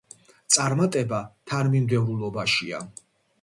წარმატება თანმიმდევრულობაშია.